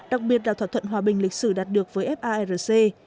đặc biệt là thỏa thuận hòa bình lịch sử đạt được với farc